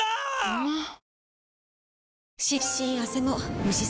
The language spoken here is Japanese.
うまっ！！